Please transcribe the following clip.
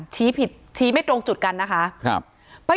ที่มีข่าวเรื่องน้องหายตัว